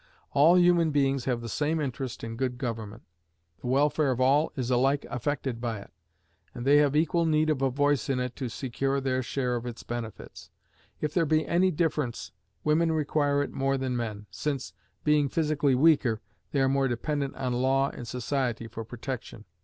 All human beings have the same interest in good government; the welfare of all is alike affected by it, and they have equal need of a voice in it to secure their share of its benefits. If there be any difference, women require it more than men, since, being physically weaker, they are more dependent on law and society for protection.